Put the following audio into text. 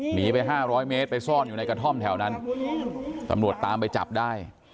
หนีไปห้าร้อยเมตรไปซ่อนอยู่ในกระท่อมแถวนั้นตำรวจตามไปจับได้